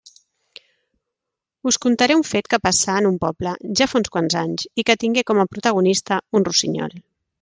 Us contaré un fet que passà en un poble, fa ja uns quants anys, i que tingué com a protagonista un rossinyol.